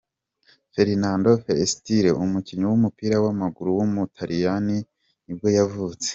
Fernando Forestieri, umukinnyi w’umupira w’amaguru w’umutaliyani nibwo yavutse.